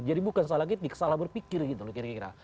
jadi bukan salah ketik salah berpikir gitu loh kira kira